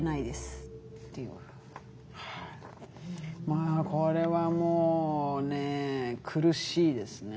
まあこれはもうね苦しいですね。